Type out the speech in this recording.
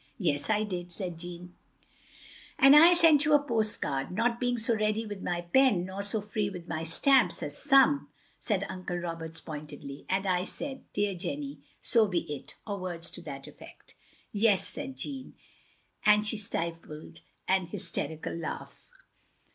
"Yes, I did," said Jeanne. "And I sent you a postcard — ^not being so ready with my pen, nor so free with my stamps, as some," said Uncle Roberts, pointedly, "and I said, * Dear Jenny ,^so be it,' or words to that eflEect." " Yes, " said Jeanne, and she stifled an hysteri cal laugh.